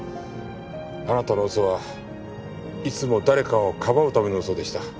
あなたの嘘はいつも誰かをかばうための嘘でした。